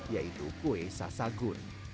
yaitu kue sasagun